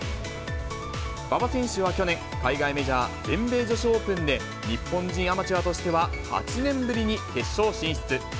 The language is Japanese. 馬場選手は去年、海外メジャー全米女子オープンで日本人アマチュアとしては８年ぶりに決勝進出。